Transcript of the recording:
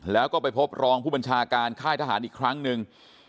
แล้วก็ไปพบรองผู้บัญชาการค่ายทหารอีกครั้งหนึ่ง